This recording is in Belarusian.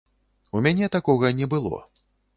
У мяне такога не было.